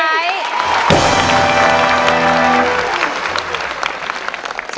ไม่ใช้ค่ะ